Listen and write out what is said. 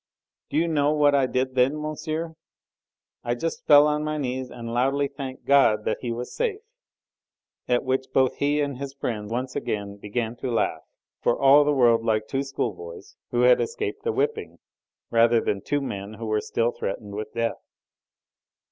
Do you know what I did then, monsieur? I just fell on my knees and loudly thanked God that he was safe; at which both he and his friend once again began to laugh, for all the world like two schoolboys who had escaped a whipping, rather than two men who were still threatened with death.